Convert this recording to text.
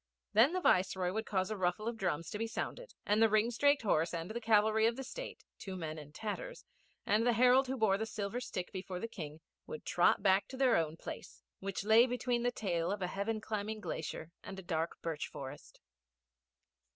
Then the Viceroy would cause a ruffle of drums to be sounded, and the ringstraked horse and the cavalry of the State two men in tatters and the herald who bore the silver stick before the King, would trot back to their own place, which lay between the tail of a heaven climbing glacier and a dark birch forest.